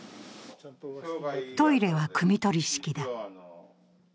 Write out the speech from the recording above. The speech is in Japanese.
トイレはくみ取り式だ。